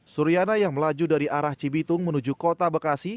suriana yang melaju dari arah cibitung menuju kota bekasi